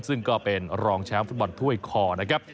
ซึ่งก็เป็นรองแชมป์ฟุตบอลถ้วยคอนะครับ